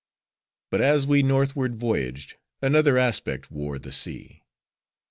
But as we northward voyaged, another aspect wore the sea.